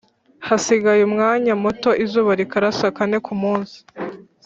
Hasigaye umwanya muto izuba rikarasa kane ku umunsi